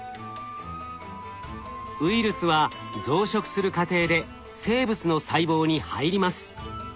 ウイルスは増殖する過程で生物の細胞に入ります。